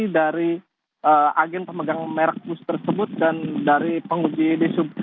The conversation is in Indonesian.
dari agen pemegang merk bus tersebut dan dari penguji di sub